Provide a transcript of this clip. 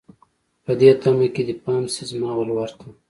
په دې تمه که دې پام شي زما ولور ته